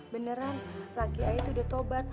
beneran laki laki itu udah tobat